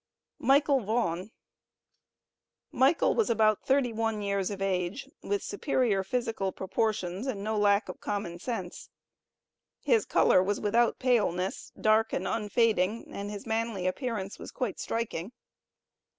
MICHAEL VAUGHN. Michael was about thirty one years of age, with superior physical proportions, and no lack of common sense. His color was without paleness dark and unfading, and his manly appearance was quite striking.